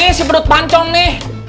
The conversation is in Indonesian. nih si pedut pancong nih